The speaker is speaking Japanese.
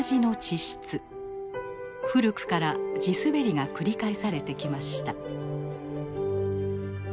古くから地滑りが繰り返されてきました。